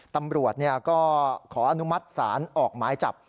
ตำรวจก็ขออนุมัติศาลออกหมายจับ